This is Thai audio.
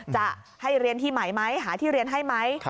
จะให้เรียนที่ใหม่ไหมหาที่เรียนให้ไหม